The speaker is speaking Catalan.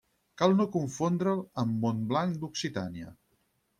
Cal no confondre'l amb Montblanc d'Occitània.